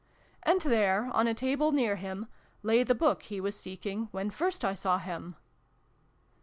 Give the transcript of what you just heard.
And there, on a table near him, lay the book he was seeking when first I saw him.